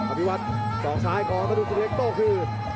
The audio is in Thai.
อัภพยวัตสองซ้ายก่อนธนูศิกเล็กโตคืน